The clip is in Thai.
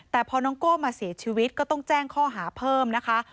แต่พอน้องโก้มาเสียชีวิตก็ต้องแจ้งข้อหาเพิ่มนะคะ